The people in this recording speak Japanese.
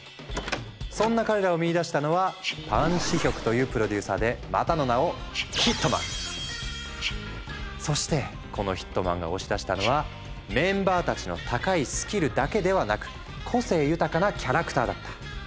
そんな彼らを見いだしたのはパン・シヒョクというプロデューサーでまたの名をそしてこのヒットマンが押し出したのはメンバーたちの高いスキルだけではなく個性豊かなキャラクターだった。